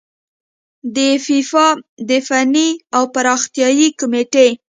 د فیفا د فني او پراختیايي کميټې